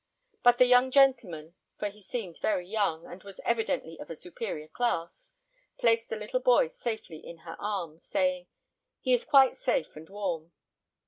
But the young gentleman for he seemed very young, and was evidently of a superior class placed the little boy safely in her arms, saying, "He is quite safe and warm."